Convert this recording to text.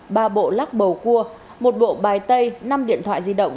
ba bộ lắc bầu cua một bộ bài tay năm điện thoại di động